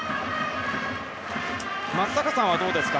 松坂さんはどうですか。